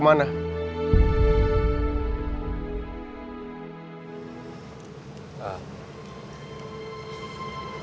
bapak jangan lupa untuk berjaga jaga